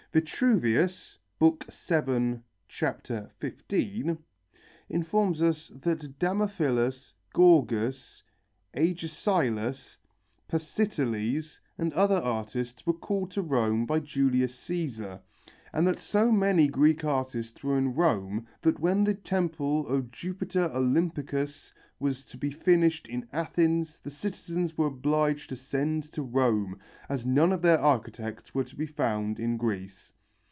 Vitruvius (VII, 15) informs us that Damophilus, Gorgas, Agesilas, Pasiteles and other artists were called to Rome by Julius Cæsar, and that so many Greek artists were in Rome that when the temple of Jupiter Olympicus was to be finished in Athens the citizens were obliged to send to Rome, as none of their architects were to be found in Greece.